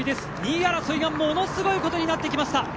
２位争いがものすごいことになってきました。